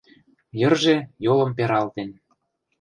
Йырже, йолым пералтен